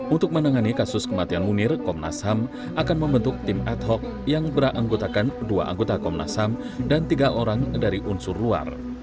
untuk menangani kasus kematian munir komnas ham akan membentuk tim ad hoc yang beranggotakan dua anggota komnas ham dan tiga orang dari unsur luar